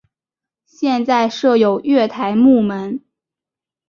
现在设有月台幕门。